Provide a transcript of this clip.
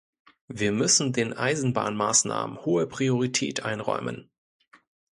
Wir müssen den Eisenbahnmaßnahmen hohe Priorität einräumen.